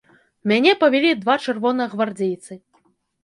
Мяне павялі два чырвонагвардзейцы.